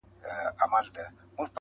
سره د تعامل له لاري